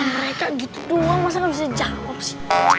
mereka gitu doang masa gak bisa jawab sih